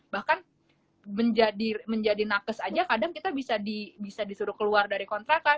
bahkan menjadi nakes aja kadang kita bisa disuruh keluar dari kontrakan